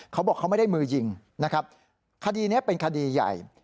เขาบอกเขาไม่ได้มือยิงนะครับคดีนี้เป็นคดีใหญ่